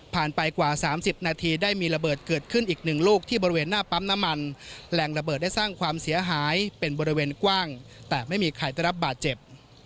ไปกว่า๓๐นาทีได้มีระเบิดเกิดขึ้นอีกหนึ่งลูกที่บริเวณหน้าปั๊มน้ำมันแรงระเบิดได้สร้างความเสียหายเป็นบริเวณกว้างแต่ไม่มีใครได้รับบาดเจ็บ